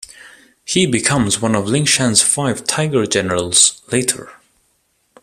He becomes one of Liangshan's Five Tiger Generals later.